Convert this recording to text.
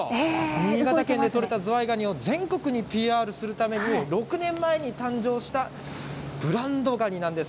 新潟県で取れたズワイガニを全国にＰＲするために６年前に誕生したブランドガニなんです。